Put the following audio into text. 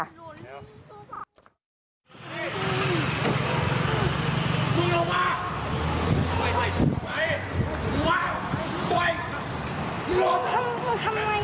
อ่าวแต่ยากดังมันจะจัดให้